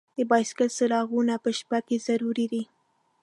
د بایسکل څراغونه په شپه کې ضرور دي.